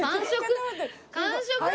完食。